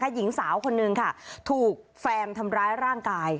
หญิงสาวคนนึงค่ะถูกแฟนทำร้ายร่างกาย